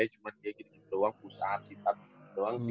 cuma kayak gitu doang pusat gitu doang sih